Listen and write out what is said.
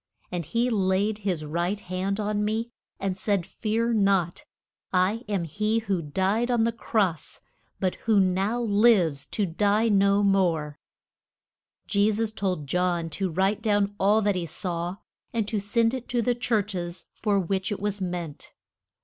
And he laid his right hand on me, and said, Fear not; I am he who died on the cross, but who now lives to die no more. [Illustration: PAT MOS.] Je sus told John to write down all that he saw, and to send it to the church es for which it was meant.